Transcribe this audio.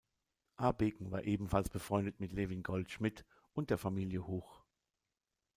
Abeken war ebenfalls befreundet mit Levin Goldschmidt und der Familie Huch.